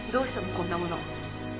こんなもの。